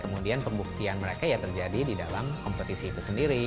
kemudian pembuktian mereka ya terjadi di dalam kompetisi itu sendiri